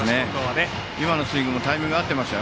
今のスイングもタイミング合ってました。